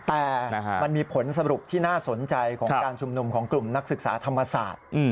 แต่มันมีผลสรุปที่น่าสนใจของการชุมนุมของกลุ่มนักศึกษาธรรมศาสตร์